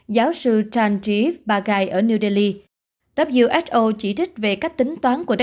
giáo sư chandri pagai ở new delhi who chỉ trích về cách tính toán của who